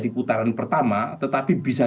di putaran pertama tetapi bisa